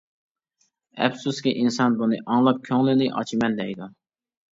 ئەپسۇسكى ئىنسان بۇنى ئاڭلاپ كۆڭلىنى ئاچىمەن دەيدۇ.